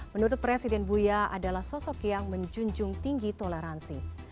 menurut presiden buya adalah sosok yang menjunjung tinggi toleransi